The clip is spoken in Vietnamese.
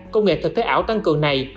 công nghệ thực thế ảo tăng cường này